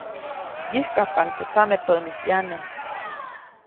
Yäjkajpaʼuŋ teʼ tsamepäʼnis ʼyane.